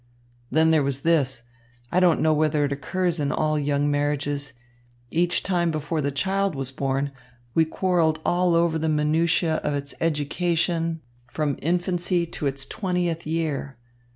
Then there was this I don't know whether it occurs in all young marriages each time before the child was born, we quarrelled over all the minutiæ of its education, from infancy to its twentieth year.